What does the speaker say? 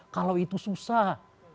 kalau itu susah